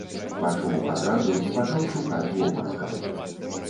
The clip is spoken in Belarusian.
Пачуў адразу і пачаў шукаць вобмацкам.